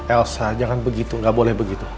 elsa jangan begitu nggak boleh begitu